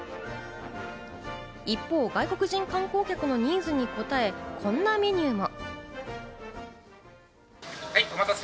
一方、外国人観光客のニーズに応え、こんなメニューも。